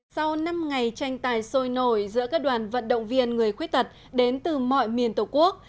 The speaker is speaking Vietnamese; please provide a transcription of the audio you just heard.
sau năm ngày tranh tài sôi nổi giữa các đoàn vận động viên người khuyết tật đến từ mọi miền tổ quốc